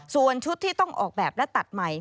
ส่วนชุดที่ต้องออกแบบและตัดใหม่